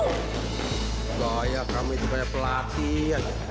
gaya kamu itu kayak pelatih aja